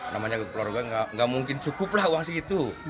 namanya keluarga tidak mungkin cukup lah uang segitu